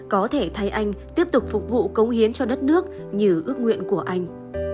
có thể thấy anh tiếp tục phục vụ cống hiến cho đất nước như ước nguyện của anh